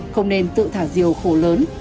không nên tự thả diều khổ lớn